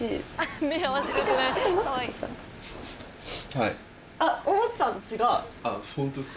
はい。